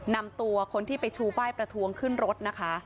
นำตัวคนที่ไปชูป้ายประท้วงขึ้นรถนะคะ